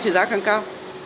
thì giá càng cao